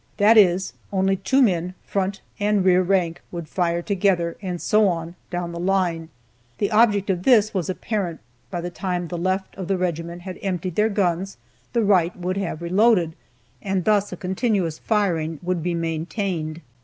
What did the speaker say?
That is, only two men, front and rear rank, would fire together, and so on, down the line. The object of this was apparent: by the time the left of the regiment had emptied their guns, the right would have reloaded, and thus a continuous firing would be maintained.